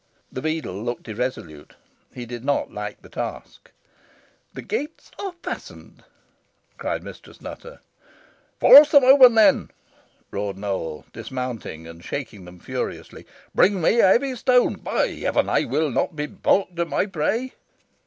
The beadle looked irresolute. He did not like the task. "The gates are fastened," cried Mistress Nutter. "Force them open, then," roared Nowell, dismounting and shaking them furiously. "Bring me a heavy stone. By heaven I I will not be baulked of my prey."